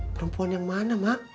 perempuan yang mana mak